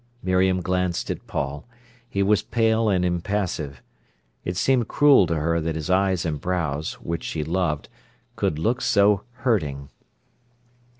Miriam glanced at Paul. He was pale and impassive. It seemed cruel to her that his eyes and brows, which she loved, could look so hurting.